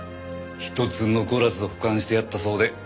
一つ残らず保管してあったそうで。